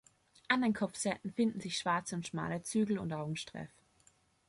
An den Kopfseiten finden sich schwarze und schmale Zügel- und Augenstreif.